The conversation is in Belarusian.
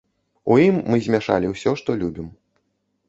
У ім мы змяшалі ўсё, што любім.